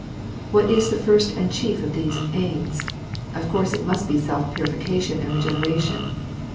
What is the first and chief of these aims? Of coarse it must be self purification and regeneration.